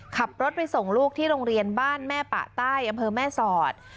ขับรถไปส่งลูกที่โรงเรียนบ้านแม่ปะใต้อำเภอแม่สอด